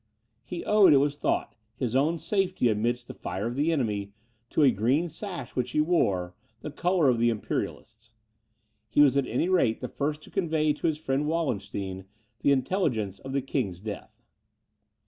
He owed, it was thought, his own safety amidst the fire of the enemy, to a green sash which he wore, the colour of the Imperialists. He was at any rate the first to convey to his friend Wallenstein the intelligence of the king's death.